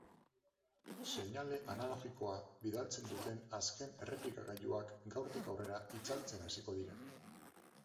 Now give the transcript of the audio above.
Seinale analogikoa bidaltzen duten azken errepikagailuak gaurtik aurrera itzaltzen hasiko dira.